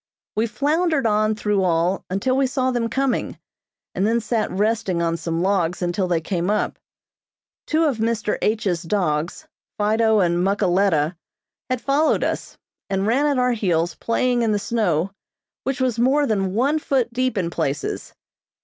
We floundered on through all until we saw them coming, and then sat resting on some logs until they came up. Two of Mr. H.'s dogs, Fido and Muckaleta, had followed us, and ran at our heels playing in the snow, which was more than one foot deep in places.